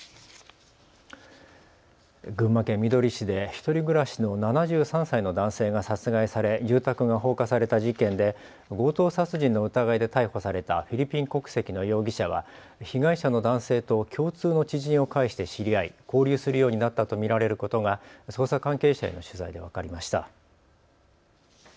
群馬県みどり市で１人暮らしの７３歳の男性が殺害され住宅が放火された事件で強盗殺人の疑いで逮捕されたフィリピン国籍の容疑者は被害者の男性と共通の知人を介して知り合い交流するようになったと見られることが捜査関係者への取材で分かりました。